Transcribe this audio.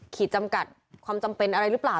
จำกัดความจำเป็นอะไรหรือเปล่า